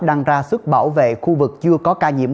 đang ra sức bảo vệ khu vực chưa có ca nhiễm